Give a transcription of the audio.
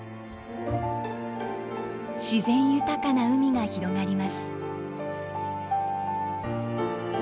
自然豊かな海が広がります。